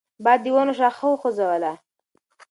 باد د ونو شاخه وخوځوله.